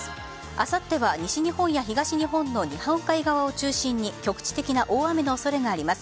あさっては西日本や東日本の日本海側を中心に局地的な大雨の恐れがあります。